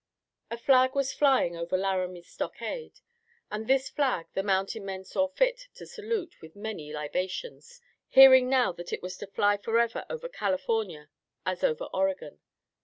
A flag was flying over Laramie stockade, and this flag the mountain men saw fit to salute with many libations, hearing now that it was to fly forever over California as over Oregon.